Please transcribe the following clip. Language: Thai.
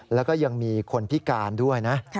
แล้วก็ยังมีคนพิการด้วยนะ